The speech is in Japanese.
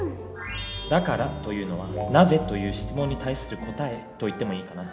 「だから」というのは「なぜ？」という質問に対する答えといってもいいかな。